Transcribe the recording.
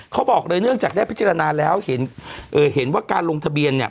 เขาบอกเลยเนื่องจากได้พิจารณาแล้วเห็นว่าการลงทะเบียนเนี่ย